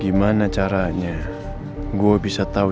gimana caranya gue bisa tahu